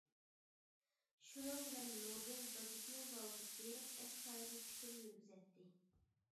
شۇنىڭ بىلەن نوبېل دادىسىنىڭ زاۋۇتىغا بېرىپ ئەستايىدىل پىكىر يۈرگۈزەتتى.